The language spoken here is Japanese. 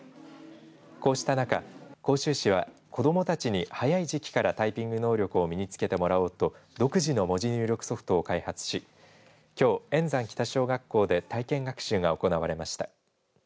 こうした中、甲州市は子どもたちに早い時期からタイピング能力を身につけてもらおうと独自の文字入力ソフトを開発しきょう、塩山北小学校で体験学習が行われました。